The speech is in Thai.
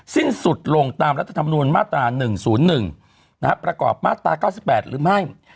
สิ้นสุดลงตามรัฐธรรมนูญมาตรา๑๐๑ประกอบมาตรา๙๘หรือไม่